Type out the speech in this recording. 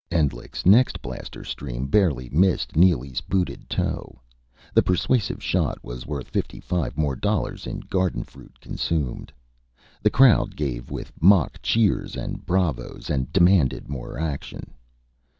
Endlich's next blaster stream barely missed Neely's booted toe. The persuasive shot was worth fifty five more dollars in garden fruit consumed. The crowd gave with mock cheers and bravos, and demanded more action.